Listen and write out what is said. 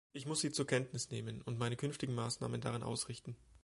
Ich muss sie zur Kenntnis nehmen, und meine künftigen Maßnahmen daran ausrichten.